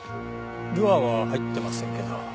ルアーは入ってませんけど。